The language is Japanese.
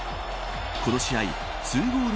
この試合２ゴール